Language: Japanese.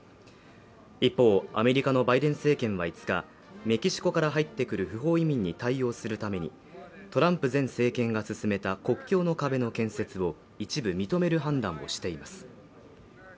一方アメリカのバイデン政権は５日メキシコから入ってくる不法移民に対応するためにトランプ前政権が進めた国境の壁の建設を一部認める判断をしています